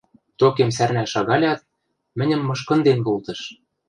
Токем сӓрнӓл шагалят, мӹньӹм мышкынден колтыш.